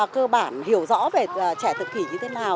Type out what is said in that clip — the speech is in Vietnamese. cơ bản hiểu rõ về trẻ tự kỷ như thế nào